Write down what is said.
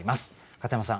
片山さん